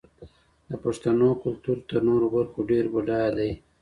د پښتنو کلتور تر نورو برخو ډېر بډایه دی.